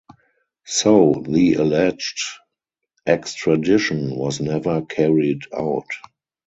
So the alleged extradition was never carried out.